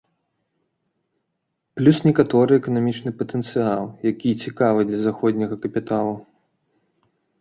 Плюс некаторы эканамічны патэнцыял, які цікавы для заходняга капіталу.